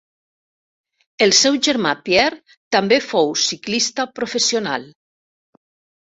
El seu germà Pierre també fou ciclista professional.